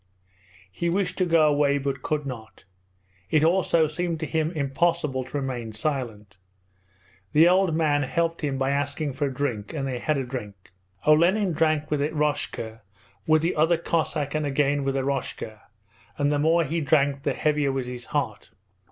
He wished to go away but could not. It also seemed to him impossible to remain silent. The old man helped him by asking for a drink, and they had a drink. Olenin drank with Eroshka, with the other Cossack, and again with Eroshka, and the more he drank the heavier was his heart.